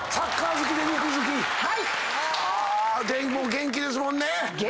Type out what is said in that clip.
元気ですもんね。